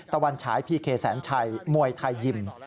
ตะวันฉายพีเคแสนชัยมวยไทยยิม